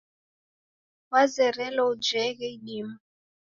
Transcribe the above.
Wazerelo ujeghe idima.